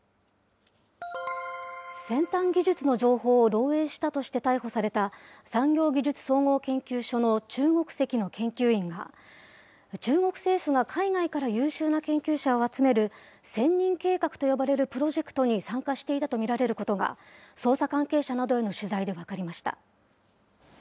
先端技術の情報を漏えいしたとして逮捕された、産業技術総合研究所の中国籍の研究員が、中国政府が海外から優秀な研究者を集める千人計画と呼ばれるプロジェクトに参加していたと見られることが、捜査関係者などへの取材で分かりました。